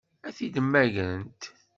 Ad t-id-mmagrent?